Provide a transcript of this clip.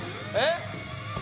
えっ？